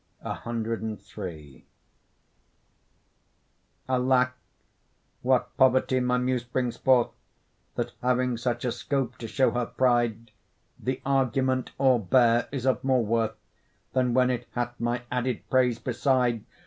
CIII Alack! what poverty my Muse brings forth, That having such a scope to show her pride, The argument, all bare, is of more worth Than when it hath my added praise beside!